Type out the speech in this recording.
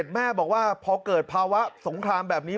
แม่บอกว่าพอเกิดภาวะสงครามแบบนี้